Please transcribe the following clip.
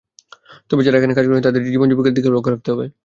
তবে যাঁরা এখানে কাজ করছেন, তাঁদের জীবন-জীবিকার দিকেও লক্ষ রাখতে হবে।